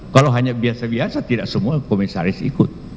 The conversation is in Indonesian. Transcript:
kalau hanya biasa biasa tidak semua komisaris ikut